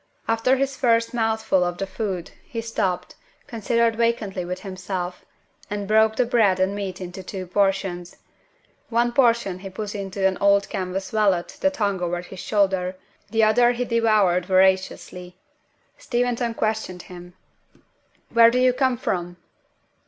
After his first mouthful of the food, he stopped, considered vacantly with himself, and broke the bread and meat into two portions. One portion he put into an old canvas wallet that hung over his shoulder; the other he devoured voraciously. Steventon questioned him. "Where do you come from?"